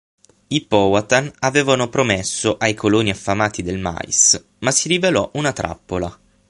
I Powhatan avevano promesso ai coloni affamati del mais, ma si rivelò una trappola.